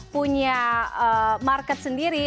punya market sendiri